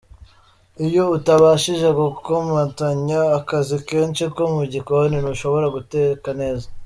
Iyo utabashije gukomatanya akazi kenshi ko mu gikoni ntushobora guteka neza.